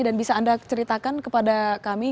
bisa anda ceritakan kepada kami